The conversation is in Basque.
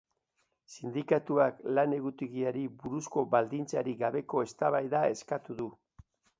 Sindikatuak lan egutegiari buruzko baldintzarik gabeko eztabaida eskatu du.